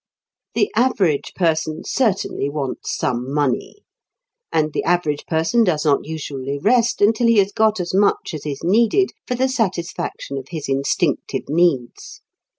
The average person certainly wants some money, and the average person does not usually rest until he has got as much as is needed for the satisfaction of his instinctive needs.